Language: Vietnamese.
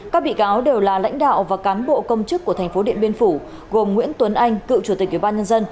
các bị cáo đều là lãnh đạo và cán bộ công chức của tp điện biên phủ gồm nguyễn tuấn anh cựu chủ tịch ubnd